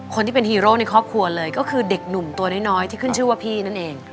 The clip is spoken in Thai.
คนที่เป็นฮีโร่ในครอบครัวเลยก็คือเด็กหนุ่มตัวน้อยที่ขึ้นชื่อว่าพี่นั่นเอง